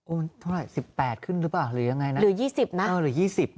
โอ้มันเท่าไหร่สิบแปดขึ้นหรือเปล่าหรือยังไงนะหรือยี่สิบนะเออหรือยี่สิบ